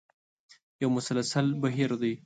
یو مسلسل بهیر دی.